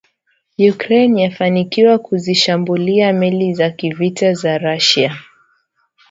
Ukraine yafanikiwa kuzishambulia meli za kivita za Russia